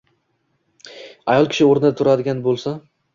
Ayol kishi o‘rnidan turadigan bo‘lвшю